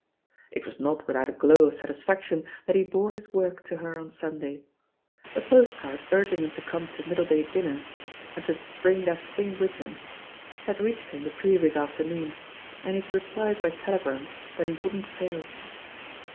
It was not without a glow of satisfaction that he bore his work to her on Sunday. A postcard urging him to come to middle day dinner, and lo '"bring that thing with him," had reached him 890 THE POSITION OF PEGGY HARPER the previous afternoon, and he had replied by telegram that he wouldn't fail.